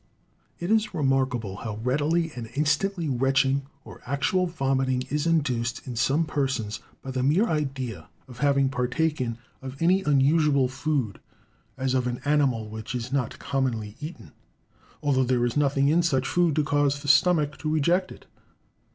It is remarkable how readily and instantly retching or actual vomiting is induced in some persons by the mere idea of having partaken of any unusual food, as of an animal which is not commonly eaten; although there is nothing in such food to cause the stomach to reject it.